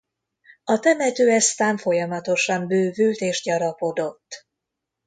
A temető eztán folyamatosan bővült és gyarapodott.